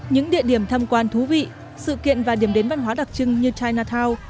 những địa điểm tham quan thú vị sự kiện và điểm đến văn hóa đặc trưng như chinatow